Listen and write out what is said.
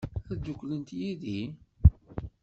Ad dduklent yid-i?